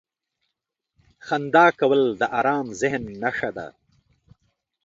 • خندا کول د ارام ذهن نښه ده.